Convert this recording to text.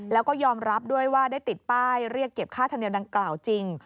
แล้วก็ยอมรับด้วยว่าได้ติดป้ายเรียกเก็บค่าธรรมเนียมดังกล่าวจริง